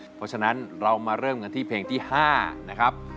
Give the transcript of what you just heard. เพราะฉะนั้นเรามาเริ่มกันที่เพลงที่๕นะครับ